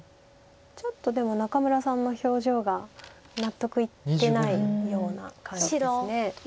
ちょっとでも仲邑さんの表情が納得いってないような感じです。